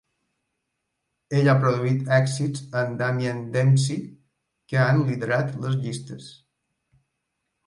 Ell ha produït èxits amb Damien Dempsey que han liderat les llistes.